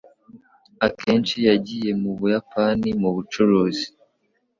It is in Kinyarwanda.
Akenshi yagiye mu Buyapani mu bucuruzi.